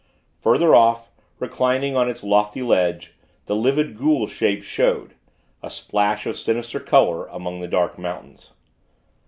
Further off, reclining on its lofty ledge, the livid Ghoul Shape showed a splash of sinister color, among the dark mountains.